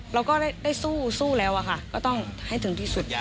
เราก็ได้สู้แล้วอะค่ะก็ต้องให้ถึงที่สุด